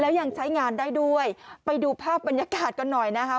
แล้วยังใช้งานได้ด้วยไปดูภาพบรรยากาศกันหน่อยนะคะ